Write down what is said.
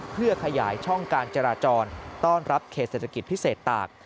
เพื่อขยายช่องการจราจรต้อนรับเขตเศรษฐกิจพิเศษตาก